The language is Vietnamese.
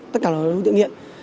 tất cả là đối tượng nghiện